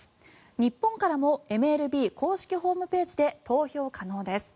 日本からもＭＬＢ公式ホームページで投票可能です。